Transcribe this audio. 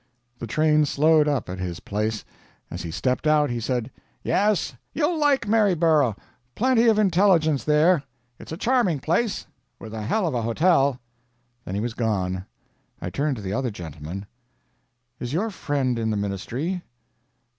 The train slowed up at his place. As he stepped out he said: "Yes, you'll like Maryborough. Plenty of intelligence there. It's a charming place with a hell of a hotel." Then he was gone. I turned to the other gentleman: "Is your friend in the ministry?"